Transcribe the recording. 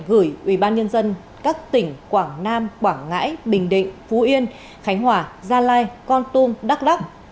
gửi ubnd các tỉnh quảng nam quảng ngãi bình định phú yên khánh hòa gia lai con tum đắk lắc